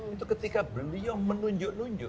itu ketika beliau menunjuk nunjuk